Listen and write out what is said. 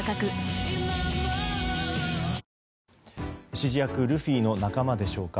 指示役ルフィの仲間でしょうか。